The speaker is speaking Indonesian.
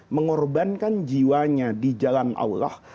mengorbankan jiwanya di jalan allah